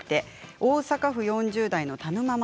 大阪府４０代の方です。